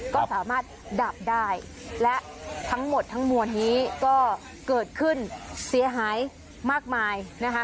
ก็สามารถดับได้และทั้งหมดทั้งมวลนี้ก็เกิดขึ้นเสียหายมากมายนะคะ